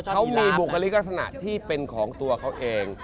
เขามีบุคลิกลักษณะที่เป็นของตัวเขาเอง